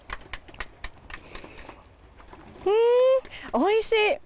おいしい。